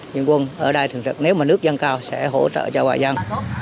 những quân ở đây thực sự nếu mà nước dân cao sẽ hỗ trợ cho bà dân